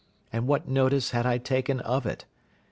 and what notice had I taken of it?